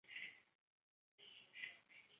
大部分工作都引用费米悖论作为参考。